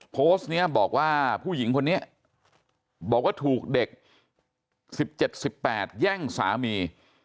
โพสต์นี้บอกว่าผู้หญิงคนนี้บอกว่าถูกเด็ก๑๗๑๘แย่งสามี